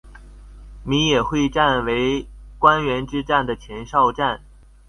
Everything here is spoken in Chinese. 米野会战为关原之战的前哨战。